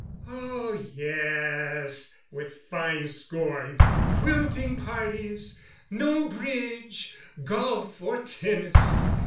"Oh, yes," with fine scorn, "quilting parties! No bridge, golf or tennis.